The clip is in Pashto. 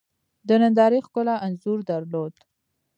د نندارې ښکلا انځور درلود.